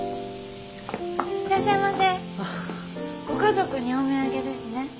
ご家族にお土産ですね。